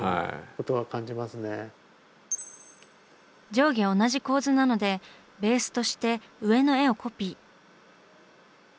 上下同じ構図なのでベースとして上の絵をコピー。